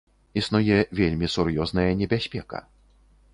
Існуе вельмі сур'ёзная небяспека.